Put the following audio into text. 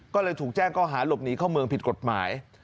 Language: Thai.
ก็เลยถูกแจ้งก็หาหลบหนีเข้าเมืองผิดกฎหมาย